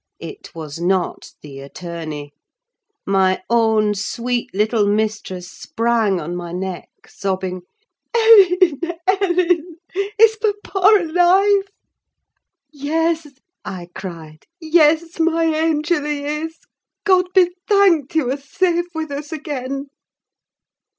It was not the attorney. My own sweet little mistress sprang on my neck sobbing, "Ellen, Ellen! Is papa alive?" "Yes," I cried: "yes, my angel, he is, God be thanked, you are safe with us again!"